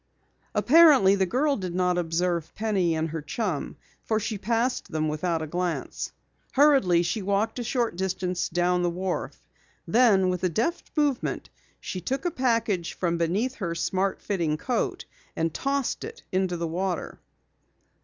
Apparently the girl did not observe Penny and her chum, for she passed them without a glance. Hurriedly she walked a short distance down the wharf. Then, with a deft movement, she took a package from beneath her smart fitting coat, and tossed it into the water.